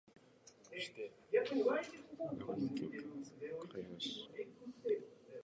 長野県茅野市